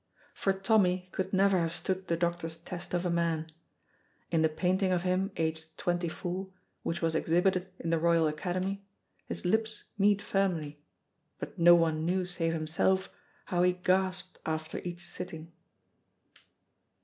For Tommy could never have stood the doctor's test of a man. In the painting of him, aged twenty four, which was exhibited in the Royal Academy, his lips meet firmly, but no one knew save himself how he gasped after each sitting.